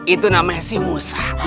itu namanya si musa